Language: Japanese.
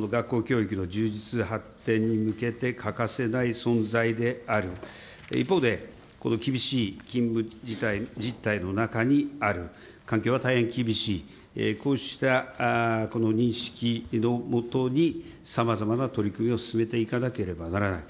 教師という存在、学校教育の充実、発展に向けて欠かせない存在である、一方で厳しい勤務実態の中にある環境は大変厳しい、こうした認識のもとに、さまざまな取り組みを進めていかなければならない。